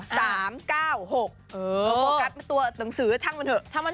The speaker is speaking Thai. โฟกัสตัวหนังสือชั่งมันเถอะ